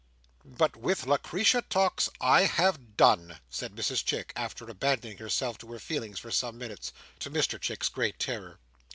"But with Lucretia Tox I have done," said Mrs Chick, after abandoning herself to her feelings for some minutes, to Mr Chick's great terror.